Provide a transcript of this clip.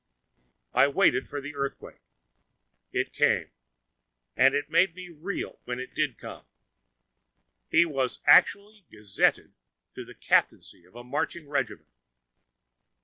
I waited for the earthquake. It came. And it made me reel when it did come. He was actually gazetted to a captaincy in a marching regiment!